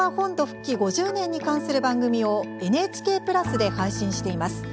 復帰５０年に関する番組をＮＨＫプラスで配信しています。